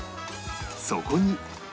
そこに